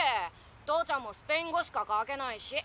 父ちゃんもスペイン語しか書けないし。